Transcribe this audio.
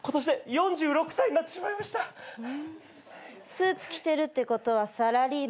スーツ着てるってことはサラリーマン？